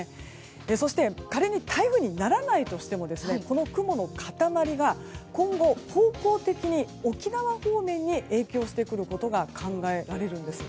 そして、仮に台風にならないとしてもですねこの雲の塊は今後、方向的に沖縄方面に影響してくることが考えられるんです。